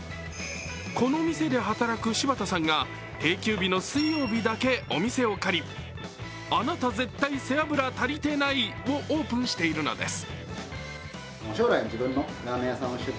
この店で働く柴田さんが定休日の水曜日だけお店を借りアナタゼッタイセアブラタリテナイをオープンしているのです。